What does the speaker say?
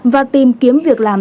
và tìm kiếm việc làm